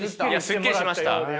すっきりしましたはい。